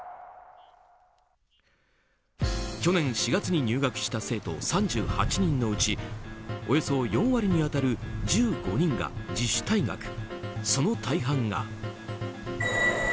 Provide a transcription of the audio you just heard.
去年４月に入学した生徒３８人のうちおよそ４割に当たる１５人が自主退学。